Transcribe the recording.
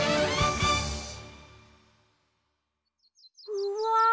うわ